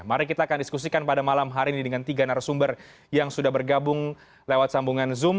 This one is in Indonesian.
mari kita akan diskusikan pada malam hari ini dengan tiga narasumber yang sudah bergabung lewat sambungan zoom